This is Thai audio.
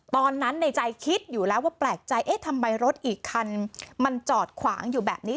ในใจคิดอยู่แล้วว่าแปลกใจเอ๊ะทำไมรถอีกคันมันจอดขวางอยู่แบบนี้